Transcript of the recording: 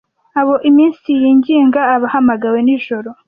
abo iminsi yinginga abahamagawe nijoro